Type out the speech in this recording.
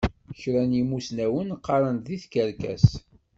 Kran n yimussnawen qqaṛen-d ddin d tikerkas.